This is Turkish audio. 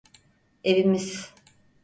Evimiz.